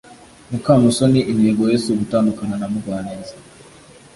mukamusoni intego ye si ugutandukana na mugwaneza;